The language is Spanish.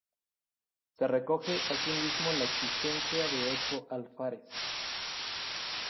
Se recoge así mismo la existencia de ocho alfares.